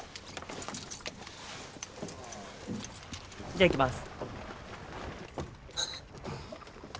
じゃあ行きます。